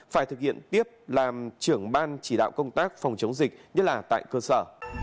phải thực hiện tiếp làm trưởng ban chỉ đạo công tác phòng chống dịch nhất là tại cơ sở